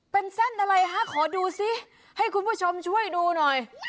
เป็นเส้นอะไรคะขอดูซิให้คุณผู้ชมช่วยดูหน่อย